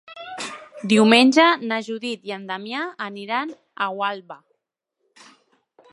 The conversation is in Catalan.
Diumenge na Judit i en Damià aniran a Gualba.